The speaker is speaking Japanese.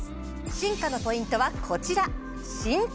進化のポイントはこちら。